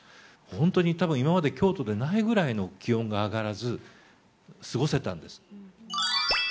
本当にたぶん、今まで京都でないぐらいの気温が上がらず、過ごせたんです。